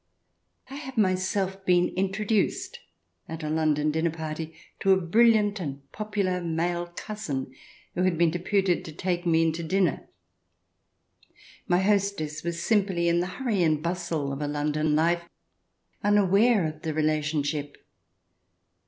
1 have myself been introduced, at a London dinner party, to a brilliant and popular male cousin, who had been deputed to take me in to dinner. My hostess was simply, in the hurry and bustle of a London life, unaware of the relationship.